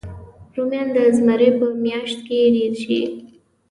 رومیان د زمري په میاشت کې ډېر شي